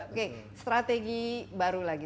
oke strategi baru lagi